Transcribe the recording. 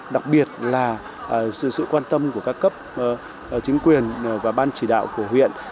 đặc biệt là sự quan tâm của các cấp chính quyền và ban chỉ đạo của huyện